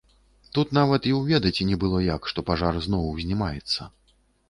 Тут нават і ўведаць не было як, што пажар зноў узнімаецца.